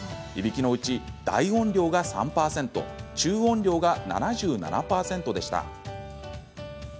いびきのうち、大音量が３％中音量が７７％でした。